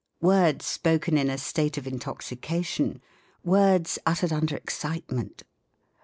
Words spoken in a state of intoxication. Words uttered under excitement.